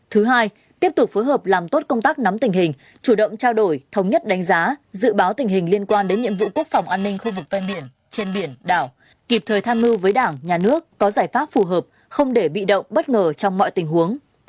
thứ hai tiếp tục phối hợp làm tốt công tác nắm tình hình chủ động trao đổi thống nhất đánh giá dự báo tình hình liên quan đến nhiệm vụ quốc phòng an ninh khu vực ven biển trên biển đảo kịp thời tham mưu với đảng nhà nước có giải pháp phù hợp không để bị động bất ngờ trong mọi tình huống